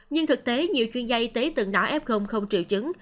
nhưng thực tế nhiều chuyên gia y tế từng nã f không triệu chứng